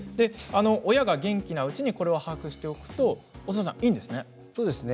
親が元気なうちにこれを把握しておくとそうですね。